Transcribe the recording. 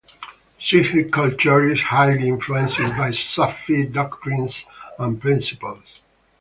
Sindhi culture is highly influenced by Sufi doctrines and principles.